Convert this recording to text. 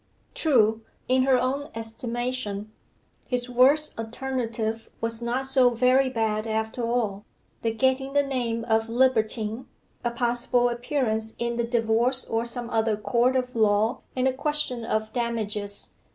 True, in her own estimation, his worst alternative was not so very bad after all the getting the name of libertine, a possible appearance in the divorce or some other court of law, and a question of damages.